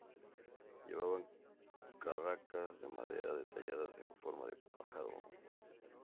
Llevaban carracas de madera talladas en forma de pájaro.